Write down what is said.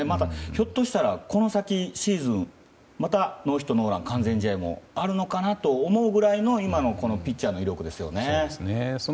ひょっとしたらこの先のシーズンまたノーヒットノーラン完全試合もあるのかなと思うぐらいの今のピッチャーの威力ですね。